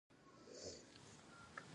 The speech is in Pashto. قلندر به شر ته په منډه ور روان و.